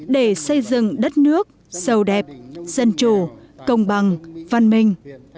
để xây dựng đất nước sâu đẹp dân chủ công bằng văn minh